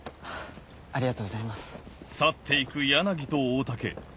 ありがとうございます。